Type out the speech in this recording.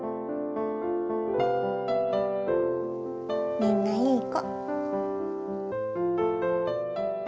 みんないい子。